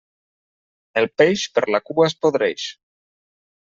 El peix per la cua es podreix.